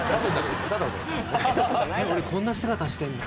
俺こんな姿してんだ。